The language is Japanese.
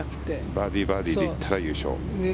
バーディー、バーディーでいったら優勝。